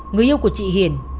người yêu của chị hiền